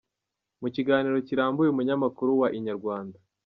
Mu kiganiro kirambuye umunyamakuru wa Inyarwanda.